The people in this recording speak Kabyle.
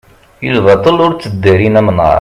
i lbaṭel ur tteddarin amnaṛ